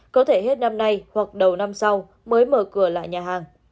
có thể hết năm nay hoặc đầu năm sau mới mở cửa lại nhà hàng